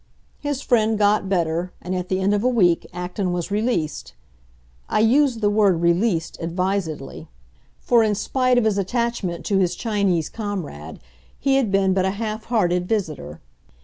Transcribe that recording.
His friend got better, and at the end of a week Acton was released. I use the word "released" advisedly; for in spite of his attachment to his Chinese comrade he had been but a half hearted visitor.